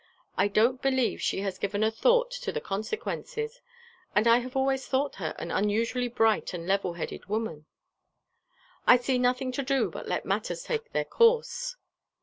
I don't believe she has given a thought to the consequences and I have always thought her an unusually bright and level headed woman." "I see nothing to do but let matters take their course."